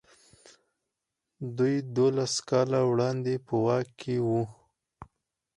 دوی دولس کاله وړاندې په واک کې وو.